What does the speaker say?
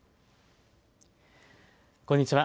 こんにちは。